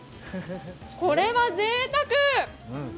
これはぜいたく！